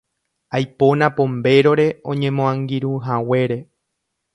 Aipóna Pombérore oñemoangirũhaguére.